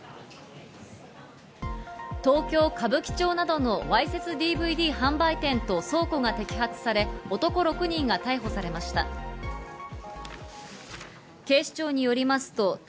東京・歌舞伎町などのわいせつＤＶＤ販売店と倉庫が摘発され、男６人が逮捕されました。